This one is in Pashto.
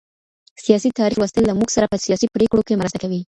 سياسي تاريخ لوستل له موږ سره په سياسي پرېکړو کي مرسته کوي.